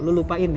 lo lupain ya